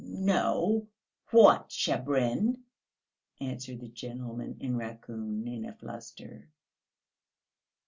"No, what Shabrin?" answered the gentleman in raccoon, in a fluster.